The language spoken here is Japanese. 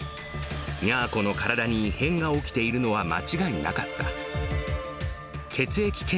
にゃーこの体に異変が起きているのは間違いなかった。